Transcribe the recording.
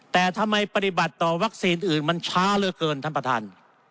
แต่ทำไมปฏิบัติต่อวัคซีนอื่นมันช้าเหลือเกินท่านประธาน